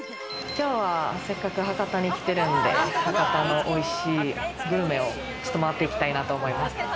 今日は、せっかく博多に来てるんで、博多のおいしいグルメを回って行きたいなと思います。